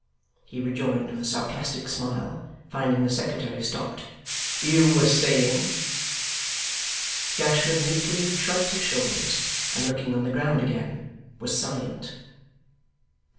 he rejoined with a sarcastic smile, finding the secretary stopped. 'You were saying' Gashford meekly shrugged his shoulders, and looking on the ground again, was silent.